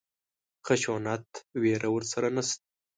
خشونت وېره ورسره نشته.